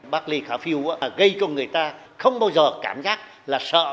bác lê khả phiêu gây cho người ta không bao giờ cảm giác là sợ